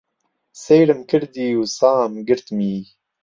سەیرم کردی و سام گرتمی.